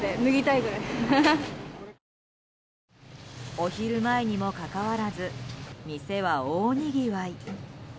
お昼前にもかかわらず店は大にぎわい。